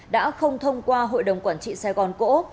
đã không thông qua hội đồng quản trị sài gòn cộ